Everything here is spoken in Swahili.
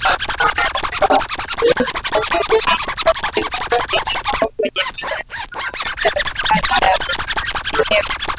nchi ya Siera Leon ilikuwa kwenye vita kali ya wenyewe